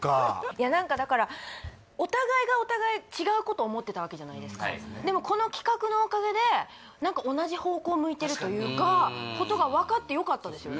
いや何かだからお互いがお互い違うことを思ってたわけじゃないですかでもこの企画のおかげで何か同じ方向を向いてるというか確かにことが分かってよかったですよね